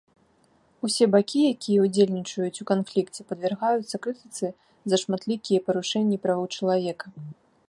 Усе бакі, якія ўдзельнічаюць у канфлікце, падвяргаюцца крытыцы за шматлікія парушэнні правоў чалавека.